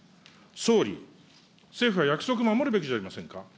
総理、政府は約束を守るべきじゃありませんか。